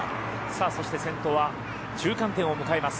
そして先頭は中間点を迎えます。